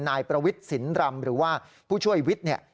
นายประวิทธิ์สินรำหรือว่าผู้ช่วยวิทธิ์